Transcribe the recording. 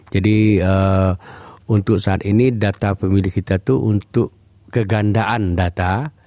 jadi untuk saat ini data pemilih kita itu untuk kegandaan data